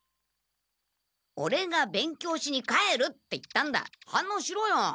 オレが「勉強しに帰る」って言ったんだはんのうしろよ。